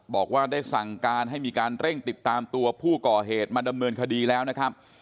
บอกว่าได้สั่งการให้มีการเร่งติดตามตัวผู้ก่อเหตุมาดำเนินคดีแล้วนะครับ